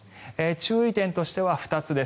注意点としては２つです。